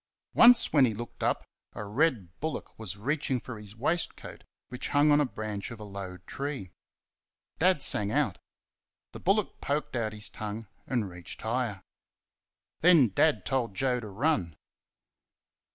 Once when he looked up a red bullock was reaching for his waistcoat, which hung on a branch of a low tree. Dad sang out. The bullock poked out his tongue and reached higher. Then Dad told Joe to run.